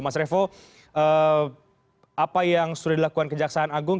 mas revo apa yang sudah dilakukan kejaksaan agung